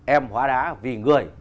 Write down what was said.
em hóa đá vì người